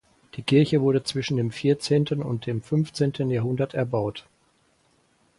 Die Kirche wurde zwischen dem vierzehnten und dem fünfzehnten Jahrhundert erbaut.